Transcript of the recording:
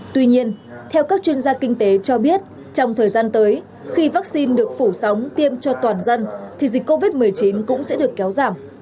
tuy nhiên theo các chuyên gia kinh tế cho biết trong thời gian tới khi vaccine được phủ sóng tiêm cho toàn dân thì dịch covid một mươi chín cũng sẽ được kéo giảm